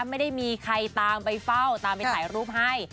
ไม่ได้มีใครตามไปเฝ้าตามไปถ่ายรูปให้